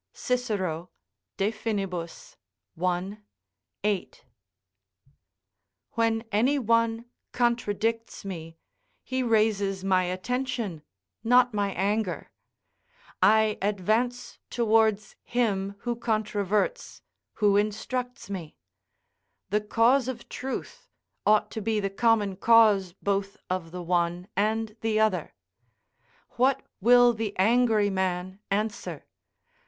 Cicero, De Finib., i. 8.] When any one contradicts me, he raises my attention, not my anger: I advance towards him who controverts, who instructs me; the cause of truth ought to be the common cause both of the one and the other. What will the angry man answer?